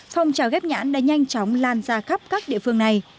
phong trào ghép nhãn đã nhanh chóng lan ra khắp các địa phương này